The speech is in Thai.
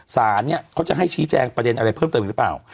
สารเนี่ยเขาจะให้ชี้แจงประเด็นอะไรเพิ่มเติมอีกหรือเปล่า